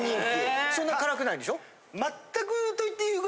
そんな辛くないでしょ？